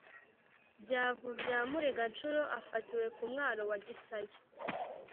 Byavu bya Mureganshuro afatiwe ku mwaro wa Gisaya,